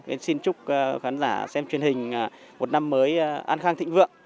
nên xin chúc khán giả xem truyền hình một năm mới an khang thịnh vượng